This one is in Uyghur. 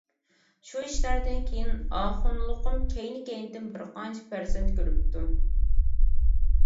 شۇ ئىشلاردىن كېيىن، ئاخۇنلۇقۇم كەينى كەينىدىن بىرقانچە پەرزەنت كۆرۈپتۇ.